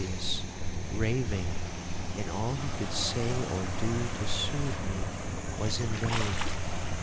I was delirious,—raving, and all he could say or do to soothe me, was in vain.